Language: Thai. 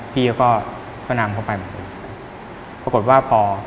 พี่ก็นะ